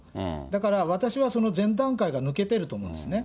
だから私はその前段階が抜けてると思うんですね。